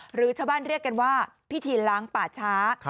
หรือชาวบ้านเรียกกันว่าพิธีล้างป่าช้า